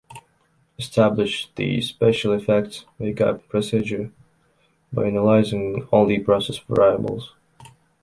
Establish the special effects makeup procedure by analyzing all the process variables.